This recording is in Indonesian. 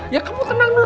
ya kamu tenang dulu